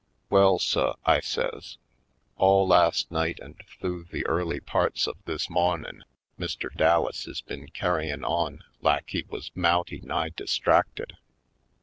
"Well, suh," I says, "all last night an* th'ough the early parts of this mawnin' Mr. Pistol Plays 241 Dallas is been carryin' on lak he was mouty nigh distracted.